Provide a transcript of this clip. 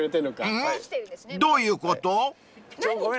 ［うん？どういうこと？］